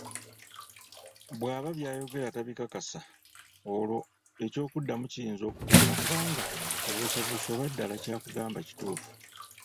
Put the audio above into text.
Bw’aba by'ayogera tabikakasa olwo eky’okumuddamu kiyinza okukubula kubanga obuusabuusa oba ddala ky’akugamba kituufu.